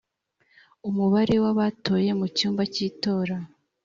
umubare w abatoye mu cyumba cy itora